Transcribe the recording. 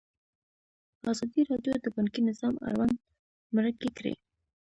ازادي راډیو د بانکي نظام اړوند مرکې کړي.